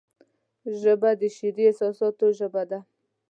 ژبه د شعري احساساتو ژبه ده